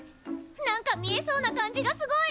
何か見えそうな感じがすごい！